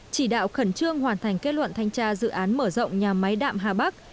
chỉ đạo khẩn trương hoàn thành kết luận thanh tra dự án mở rộng nhà máy đạm hà bắc